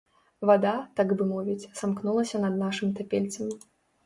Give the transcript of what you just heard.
Вада, так бы мовіць, самкнулася над нашым тапельцам.